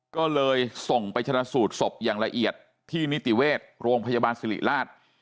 ก็เลยส่งไปชนะสูตรศพอย่างละเอียดที่นิติเวชโรงพยาบาลสิริราช